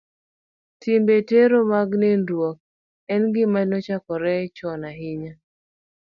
Timbe tero mag nindruok en gima nochakore chon ahinya.